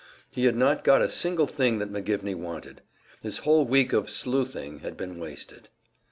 He had not got a single thing that McGivney wanted. His whole week of "sleuthing" had been wasted!